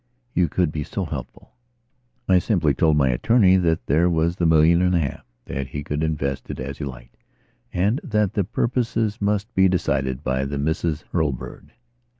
You could be so helpful." I simply told my attorney that there was the million and a half; that he could invest it as he liked, and that the purposes must be decided by the Misses Hurlbird.